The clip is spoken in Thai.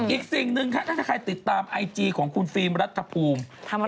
อีกสิ่งหนึ่งถ้าใครติดตามไอจีของคุณฟิล์มรัฐภูมิ